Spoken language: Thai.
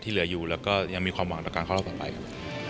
ที่เหลืออยู่แล้วก็ยังมีความหวังข้อหลักนับไปนะครับ